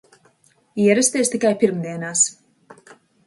Ierasties tikai pirmdienās!